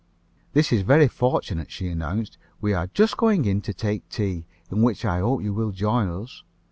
"This is very fortunate," she announced. "We are just going in to take tea, in which I hope you will join us.